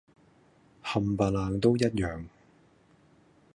冚唪唥都一樣